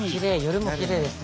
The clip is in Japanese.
夜もきれいですね。